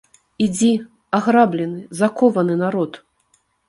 Ідзі, аграблены, закованы народ!